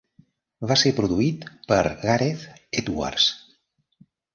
Va ser produït per Gareth Edwards.